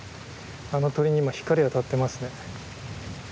あの鳥に今光当たってますね。